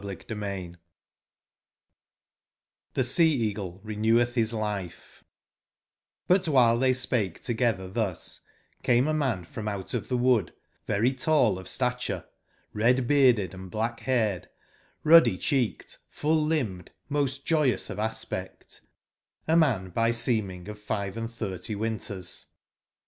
70 Ch^f^tfr X^ The Sca/caglc rcncwctb his lifc^^ a XI while they spake together thus, came a man from out of the wood very tall of stature, red/ bearded and black/haired, ruddy/ cheeked, full/limbed, most joyous of aspect; a man by seeming of five and thirty winters.